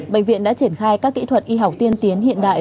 bệnh viện đã triển khai các kỹ thuật y học tiên tiến hiện đại